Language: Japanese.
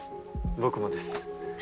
僕もです。